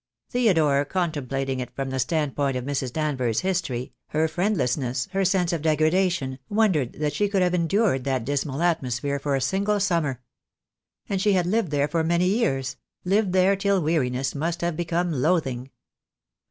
Theodore, contemplating it from the standpoint of Mrs. Danvers' history, her friendlessness, her sense of degradation, wondered that The Day will come. II. 6 82 THE DAY WILL COME. she could have endured that dismal atmosphere for a single summer. And she had lived there for many years; lived there till weariness must have become loathing.